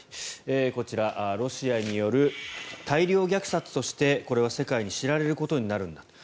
こちら、ロシアによる大量虐殺としてこれは世界に知られることになるんだ。